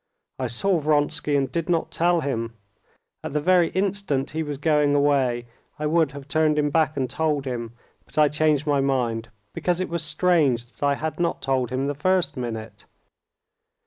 "I saw Vronsky and did not tell him. At the very instant he was going away I would have turned him back and told him, but I changed my mind, because it was strange that I had not told him the first minute.